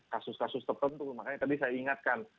kasus kasus tertentu makanya tadi saya ingatkan